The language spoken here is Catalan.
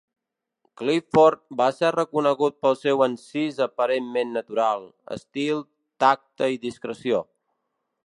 Clifford va ser reconegut pel seu encís aparentment natural, estil, tacte i discreció.